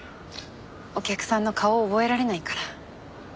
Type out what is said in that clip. お客さんの顔を覚えられないから。